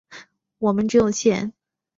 我们只有钱。